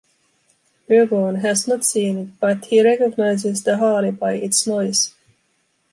Ergon has not seen it, but he recognizes the Harley by it’s noise.